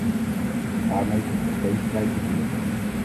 Daarmee komt er geen vrij verkeer.